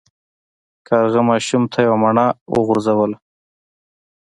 کارغه ماشوم ته یوه مڼه وغورځوله.